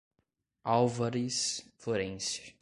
Álvares Florence